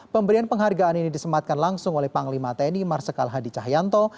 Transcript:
pemberian penghargaan ini disematkan langsung oleh panglima tni marsikal hadi cahyanto